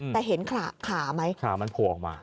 แต่เห็นขาไหมขามันโผล่ออกมา